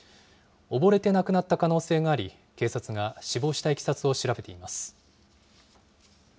溺れて亡くなった可能性があり、警察が死亡したいきさつを調べています。